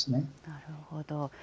なるほど。